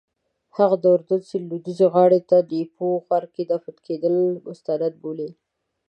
هغوی د اردن سیند لویدیځې غاړې ته نیپو غره کې دفن کېدل مستند بولي.